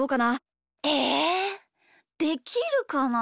えできるかな。